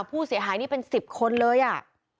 ผู้เสียหายนี่เป็น๑๐คนเลยอ่ะ